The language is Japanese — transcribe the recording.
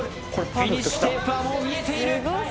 フィニッシュテープはもう見えている。